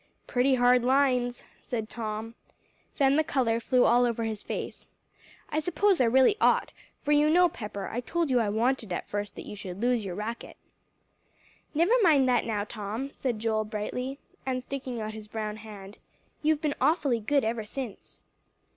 "Pretty hard lines," said Tom. Then the color flew all over his face. "I suppose I really ought, for you know, Pepper, I told you I wanted at first that you should lose your racket." "Never mind that now, Tom," said Joel brightly, and sticking out his brown hand. "You've been awfully good ever since."